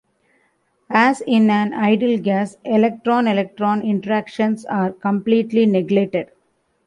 As in an ideal gas, electron-electron interactions are completely neglected.